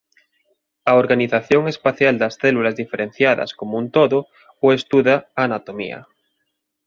A organización espacial das células diferenciadas como un todo o estuda a anatomía.